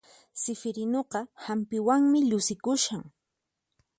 Sifirinuqa hampiwanmi llusikushan